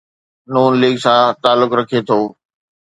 نون ليگ سان تعلق رکي ٿو.